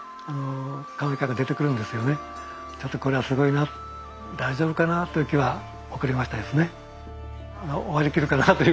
ちょっとこれはすごいな大丈夫かな？という気は起こりましたですね。